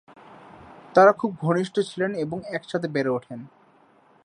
তারা খুব ঘনিষ্ঠ ছিলেন এবং একসাথে বেড়ে ওঠেন।